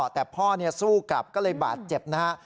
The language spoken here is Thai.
แต่พ่อสู้กลับก็เลยบาดเจ็บนะฮะ